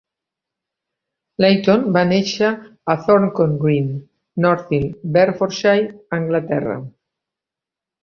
Layton va néixer a Thorncote Green, Northill, Bedfordshire, Anglaterra.